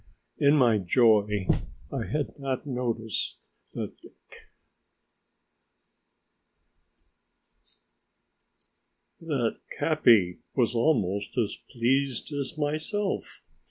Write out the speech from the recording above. In my joy I had not noticed that Capi was almost as pleased as myself.